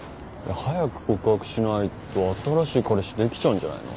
早く告白しないと新しい彼氏できちゃうんじゃないの。